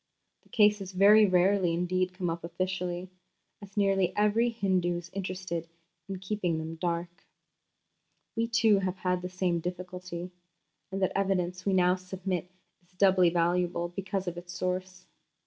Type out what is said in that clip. The cases very rarely indeed come up officially, as nearly every Hindu is interested in keeping them dark." We, too, have had the same difficulty, and the evidence we now submit is doubly valuable because of its source.